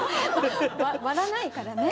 割らないからね。